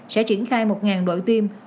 sẽ triển khai một đội tiêm